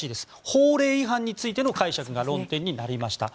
法令違反についての解釈が論点になりました。